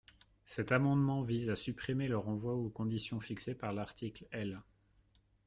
Cet amendement vise à supprimer le renvoi aux conditions fixées par l’article L.